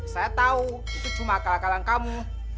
saya tahu itu cuma akal akalan kamu